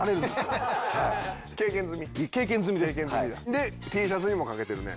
でＴシャツにも賭けてるね